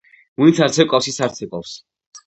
ვინც არ ცეკვავს ის არ ცეკვავს